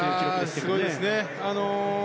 すごいですね。